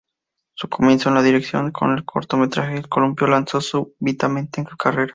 Su comienzo en la dirección con el cortometraje "El columpio" lanzó súbitamente su carrera.